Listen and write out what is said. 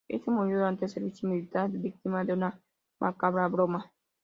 Éste murió durante el servicio militar, víctima de una macabra broma.